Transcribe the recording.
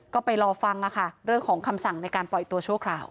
ก็ไปรอฟังเรื่องของคำสั่งในการปล่อยตัวชั่วคราว